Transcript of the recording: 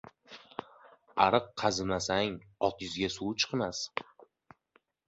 Ariq qazimasang, otizga suv chiqmas.